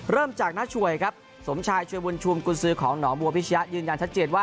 เริ่มจากน้าช่วยครับสมชายช่วยบุญชุมกุญสือของหนองบัวพิชยะยืนยันชัดเจนว่า